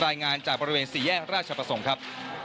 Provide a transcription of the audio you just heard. รายงานจากบริเวณสี่แยกราชประสงค์ครับ